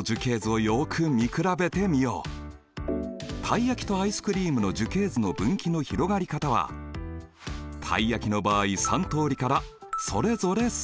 たい焼きとアイスクリームの樹形図の分岐の広がり方はたい焼きの場合３通りからそれぞれ３通り。